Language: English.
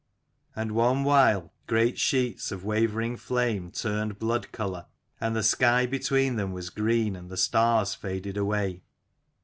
And one while, great sheets of wavering flame turned blood colour, and the sky between them was green, and the stars faded away.